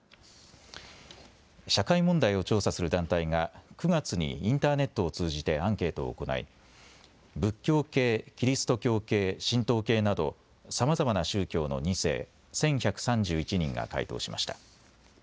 社会問題を調査する団体が９月にインターネットを通じてアンケートを行い仏教系、キリスト教系、神道系などさまざまな宗教の２世、１１３１人が回答しました。